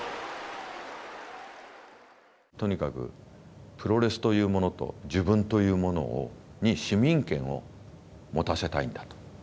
とにかくプロレスというものと自分というものに市民権を持たせたいんだと。